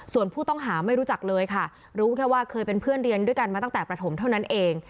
ส่วนผู้ต้องหาไม่รู้จักเลยค่ะรู้แค่ว่าเคยเป็นเพื่อนเรียนด้วยกันมาตั้งแต่ประถมเท่านั้นเอง